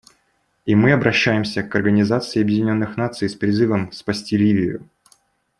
И мы обращаемся к Организации Объединенных Наций с призывом спасти Ливию.